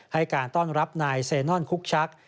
ให้การต้อนรับนายเซนอนคุกชัก